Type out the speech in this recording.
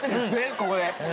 ここで。